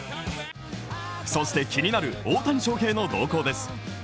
そして気になる大谷翔平の動向です。